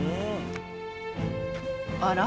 あら？